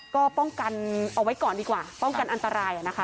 ก็ป้องกันเอาไว้ก่อนดีกว่าป้องกันอันตรายนะคะ